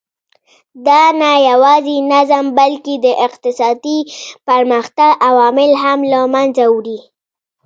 دا نه یوازې نظم بلکې د اقتصادي پرمختګ عوامل هم له منځه وړي.